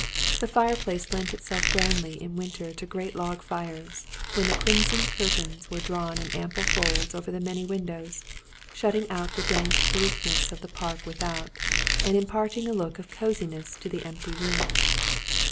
The fireplace lent itself grandly in winter to great log fires, when the crimson curtains were drawn in ample folds over the many windows, shutting out the dank bleakness of the park without, and imparting a look of cosiness to the empty room.